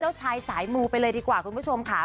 เจ้าชายสายมูไปเลยดีกว่าคุณผู้ชมค่ะ